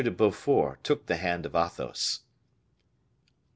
de Beaufort took the hand of Athos.